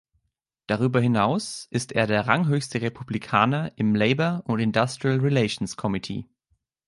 Darüber hinaus ist er der ranghöchste Republikaner im Labor and Industrial Relations Committee.